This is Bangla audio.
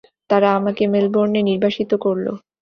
তারা আমাকে মেলবোর্নে নির্বাসিত করল।